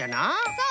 そう。